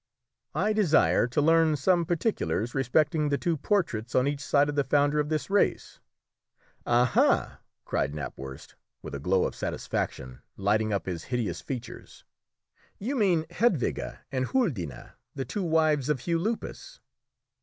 "I desire to learn some particulars respecting the two portraits on each side of the founder of this race." "Aha!" cried Knapwurst with a glow of satisfaction lighting up his hideous features; "you mean Hedwige and Huldine, the two wives of Hugh Lupus."